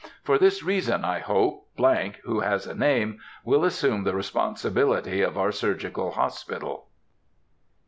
For this reason I hope ——, who has a name, will assume the responsibility of our surgical hospital.